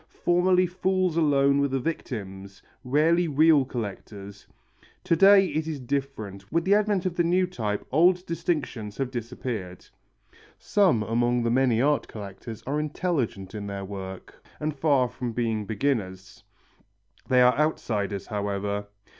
Formerly fools alone were the victims, rarely real collectors. To day it is different, with the advent of the new type old distinctions have disappeared. Some among the many art collectors are intelligent in their work, and far from being beginners. They are outsiders, however.